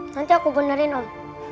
nanti aku benerin om